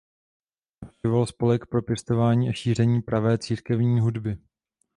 Navštěvoval Spolek pro pěstování a šíření pravé církevní hudby.